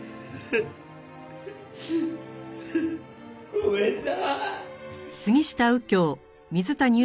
ごめんな。